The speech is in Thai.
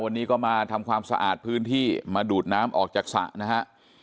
วันนี้ก็มาทำความสะอาดพื้นที่มาดูดน้ำออกจากสระนะฮะ